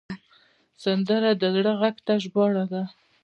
سندره د زړه غږ ته ژباړه ده